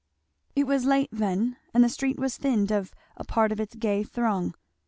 It was late then, and the street was thinned of a part of its gay throng.